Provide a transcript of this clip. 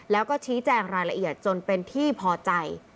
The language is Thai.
แล้วก็ชี้แจงรายละเอียดจนเป็นที่พอใจ